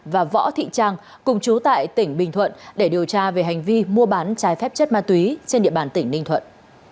và võ thị trang cùng chú tại tỉnh bình thuận để điều tra về hành vi mua bán trái phép chất ma túy trên địa bàn tỉnh ninh thuận